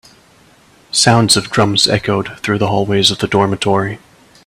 Sounds of drums echoed through the hallways of the dormitory.